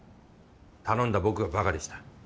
頼んだ僕が馬鹿でした。